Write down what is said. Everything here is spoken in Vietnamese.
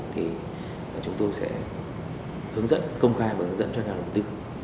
thì chúng tôi sẽ hướng dẫn công khai và hướng dẫn cho các đồng tư